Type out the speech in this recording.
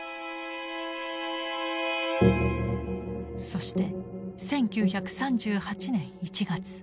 そして１９３８年１月。